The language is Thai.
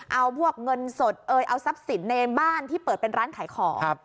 เอาพวกเงินสดเอ่ยเอาทรัพย์สินในบ้านที่เปิดเป็นร้านขายของ